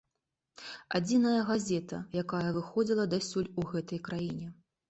Адзіная газета, якая выходзіла дасюль у гэтай краіне.